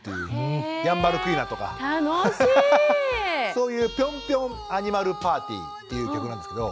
そういう「ピョンピョンアニマルパーティー」っていう曲なんですけど。